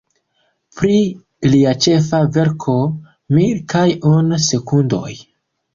Pri lia ĉefa verko, Mil kaj unu sekundoj.